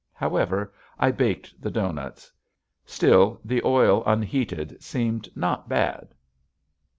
However I baked the doughnuts. Still, the oil unheated seemed not bad.